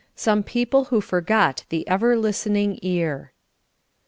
SOME PEOPLE WHO FORGOT THE EVER LISTENING EAR.